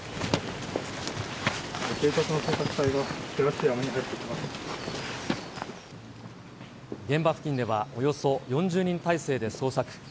警察の捜索隊が険しい山に入現場付近では、およそ４０人態勢で捜索。